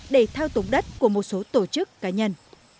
để thao túng đất của một số tổ chức cá nhân